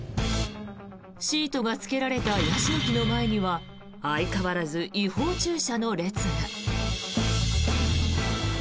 シートがつけられたヤシの木の前には相変わらず違法駐車の列が。